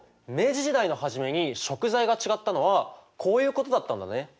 明治時代の初めに食材が違ったのはこういうことだったんだね。